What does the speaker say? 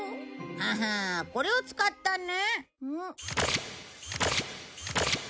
ははあこれを使ったね。